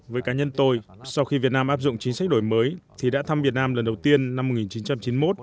với cá nhân tôi sau khi việt nam áp dụng chính sách đổi mới thì đã thăm việt nam lần đầu tiên năm một nghìn chín trăm chín mươi một